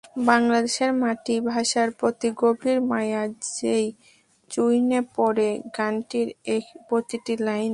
বাংলাদেশের মাটি, ভাষার প্রতি গভীর মায়া যেন চুইয়ে পড়ে গানটির প্রতিটি লাইনে।